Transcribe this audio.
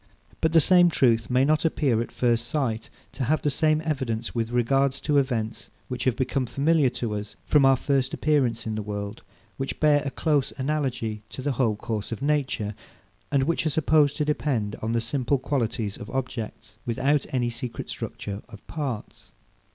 But the same truth may not appear, at first sight, to have the same evidence with regard to events, which have become familiar to us from our first appearance in the world, which bear a close analogy to the whole course of nature, and which are supposed to depend on the simple qualities of objects, without any secret structure of parts.